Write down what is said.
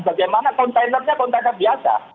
bagaimana kontainernya kontainer biasa